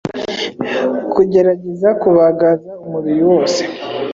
Kugerageza kubagaza umubiri wose